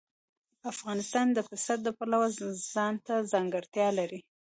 افغانستان د پسه د پلوه ځانته ځانګړتیا لري.